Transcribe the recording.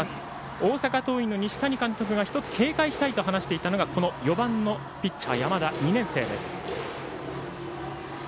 大阪桐蔭の西谷監督が１つ警戒したいと話していたのが４番のピッチャー山田、２年生。